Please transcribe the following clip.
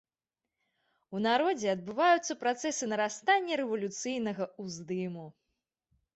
У народзе адбываюцца працэсы нарастання рэвалюцыйнага ўздыму.